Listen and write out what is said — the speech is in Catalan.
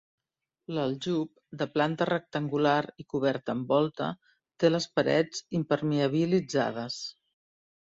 L'aljub, de planta rectangular i coberta en volta, té les parets impermeabilitzades.